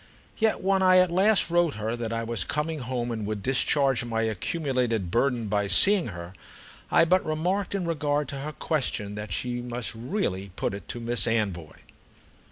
Yet when I at last wrote her that I was coming home and would discharge my accumulated burden by seeing her, I but remarked in regard to her question that she must really put it to Miss Anvoy.